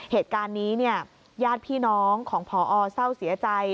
เหตุการณ์นี้เนี่ยญาติพี่น้องของพอเศร้าเสียใจ